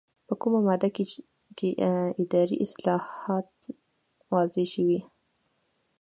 په کومه ماده کې اداري اصلاحات واضح شوي دي؟